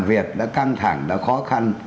việc đã căng thẳng đã khó khăn